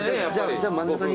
じゃあ真ん中に。